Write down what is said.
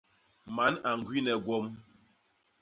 Man a ñgwine gwom.